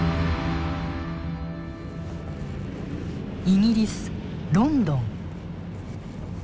イギリス・ロンドン。